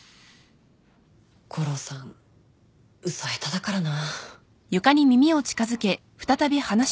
悟郎さん嘘下手だからな。